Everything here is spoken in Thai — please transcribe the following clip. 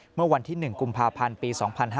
เมื่อวันที่๑กุมภาพันธ์ปี๒๕๕๙